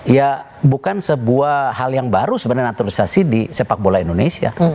ya bukan sebuah hal yang baru sebenarnya naturalisasi di sepak bola indonesia